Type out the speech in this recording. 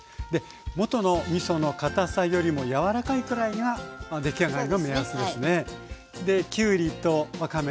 元のみその堅さよりもやわらかいくらいが出来上がりの目安ですね。